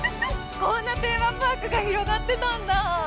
こんなテーマパークが広がってたんだあ。